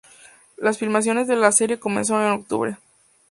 Las filmaciones de la serie comenzaron en octubre.